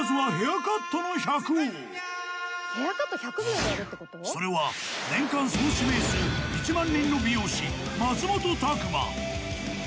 まずはそれは年間総指名数１万人の美容師松本拓馬